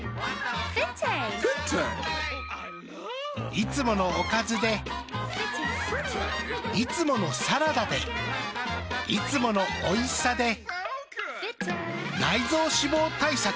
いつものおかずでいつものサラダでいつものおいしさで内臓脂肪対策。